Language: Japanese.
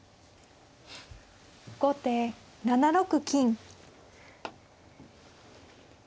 後手７六金。